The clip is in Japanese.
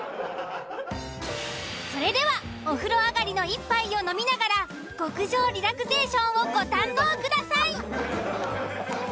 それではお風呂上がりの１杯を飲みながら極上リラクゼーションをご堪能ください。